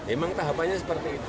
emang tahapannya seperti itu